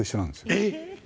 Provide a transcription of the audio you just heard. えっ？